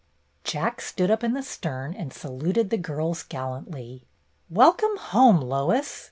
Jack stood up in the stern and saluted the girls gallantly. "Welcome home, Lois!"